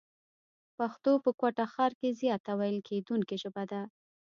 پښتو په کوټه ښار کښي زیاته ويل کېدونکې ژبه ده.